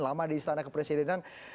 lama di istana kepresidenan